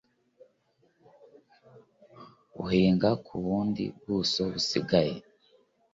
bihingwa ku bundi bwuso busigaye